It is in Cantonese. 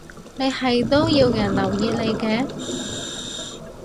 你係都要人留意你嘅